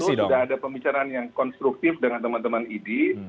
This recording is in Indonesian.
itu sudah ada pembicaraan yang konstruktif dengan teman teman idi